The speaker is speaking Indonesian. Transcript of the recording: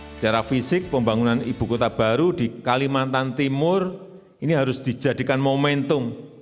secara fisik pembangunan ibu kota baru di kalimantan timur ini harus dijadikan momentum